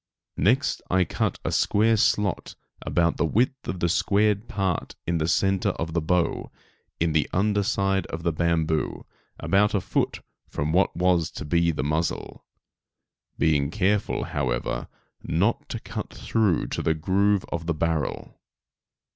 Next I cut a square slot about the width of the squared part in the centre of the bow, in the under side of the bamboo about a foot from what was to be the muzzle, being careful, however, not to cut through into the groove of the barrel.